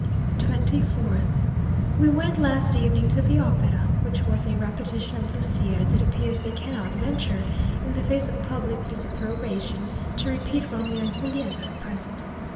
24th. We went last evening to the opera, which was a repetition of Lucia, as it appears they cannot venture, in the face of public disapprobation, to repeat Romeo and Giulietta at present.